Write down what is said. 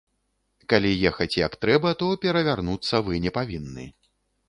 Калі ехаць як трэба, то перавярнуцца вы не павінны.